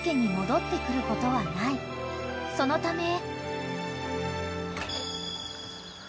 ［そのため］